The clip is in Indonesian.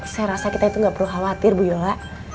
saya rasa kita itu gak perlu khawatir bu yola